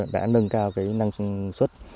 đã nâng cao năng suất